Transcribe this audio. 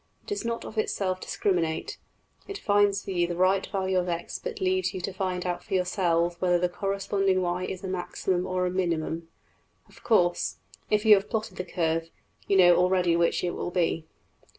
It does not of itself discriminate; it finds for you the right value of~$x$ but leaves you to find out for yourselves whether the corresponding~$y$ is a maximum or a minimum. Of course, if you have plotted the curve, you know already which it will be.